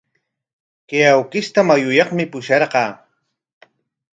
Chay awkishta mayuyaqmi pusharqaa.